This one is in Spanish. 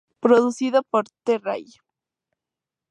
Producido por T-Ray